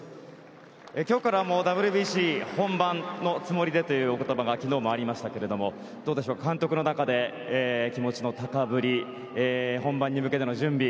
今日からＷＢＣ本番のつもりでという言葉が昨日もありましたけれども監督の中で気持ちの高ぶり本番に向けての準備